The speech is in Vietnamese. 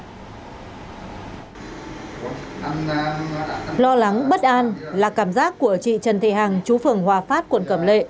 lo lắng bất an là cảm giác của chị trần thị hằng chú phường hòa phát quận cẩm lệ